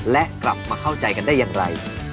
และกลับมาเข้าใจกันได้อย่างไร